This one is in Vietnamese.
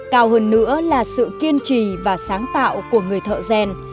cao hơn nữa là sự kiên trì và sáng tạo của người thợ rèn